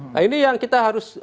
nah ini yang kita harus